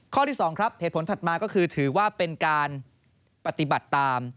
ข้อที่๒คือถือว่าเป็นการปฏิบัติตาม